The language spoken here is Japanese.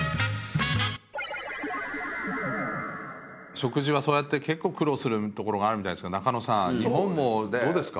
食事はそうやって結構苦労するところがあるみたいですけど中野さん日本もどうですか？